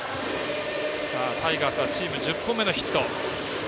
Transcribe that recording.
タイガースはチーム１０本目のヒット。